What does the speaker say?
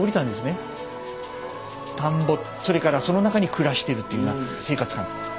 田んぼそれからその中に暮らしてるっていうような生活感。